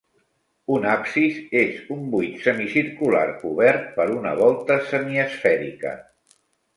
Un absis és un buit semicircular cobert per una volta semiesfèrica.